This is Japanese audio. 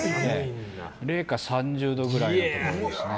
零下３０度くらいのところですね。